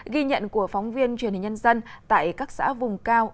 ghi nhận của phóng viên truyền hình nhân dân tại các xã vùng cao